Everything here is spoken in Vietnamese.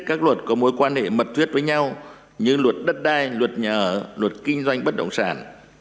các luật có mối quan hệ mật tuyết với nhau như luật đất đai luật nhà ở luật kinh doanh bất động sản